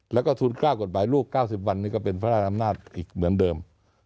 แล้วก็ทุน๙กฎหมายลูก๙๐วันนี้ก็เป็นพระราชอำนาจอีกเหมือนเดิม